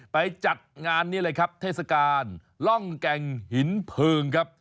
จัดงานนี้เลยครับเทศกาลล่องแก่งหินเพลิงครับ